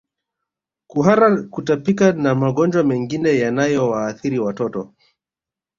Kuhara kutapika na magonjwa mengine yanayowaathiri watoto